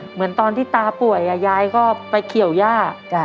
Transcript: เหมือนตอนที่ตาป่วยยายก็ไปเขี่ยวย่า